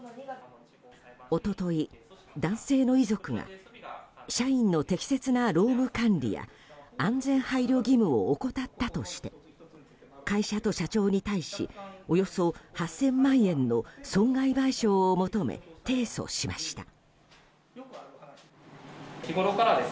一昨日、男性の遺族が社員の適切な労務管理や安全配慮義務を怠ったとして会社と社長に対しおよそ８０００万円の損害賠償を求め、提訴しました。